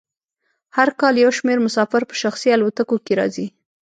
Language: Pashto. هر کال یو شمیر مسافر په شخصي الوتکو کې راځي